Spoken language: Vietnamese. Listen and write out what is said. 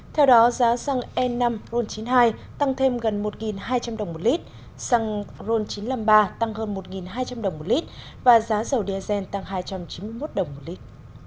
theo đó giá xăng e năm ron chín mươi hai tăng thêm gần một hai trăm linh đồng một lít xăng ron chín trăm năm mươi ba tăng hơn một hai trăm linh đồng một lít và giá dầu diesel tăng hai trăm chín mươi một đồng một lít